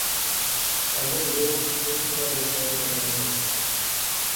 ساجد روز نصرتا لے فون کرنا سا